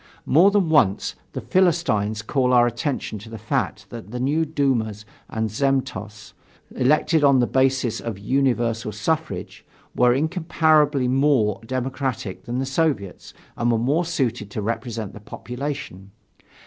More than once, the Philistines called our attention to the fact that the new dumas and zemstvos elected on the basis of universal suffrage, were incomparably more democratic than the Soviets and were more suited to represent the population.